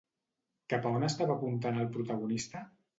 Cap a on estava apuntant el protagonista?